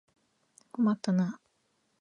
困ったなあ。